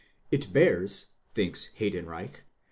It bears, thinks Heydenreich